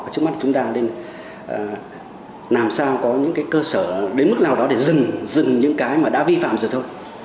trước mắt chúng ta nên làm sao có những cơ sở đến mức nào đó để dừng những cái đã vi phạm rồi thôi